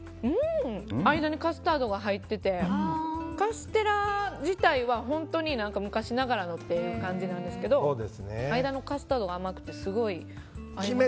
間にカスタードが入っていてカステラ自体は本当に昔ながらのという感じですが間のカスタードが甘くてすごい合いますね。